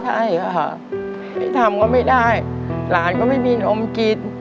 ใช่ค่ะพี่ทำก็ไม่ได้หลานก็ไม่มีนมกิน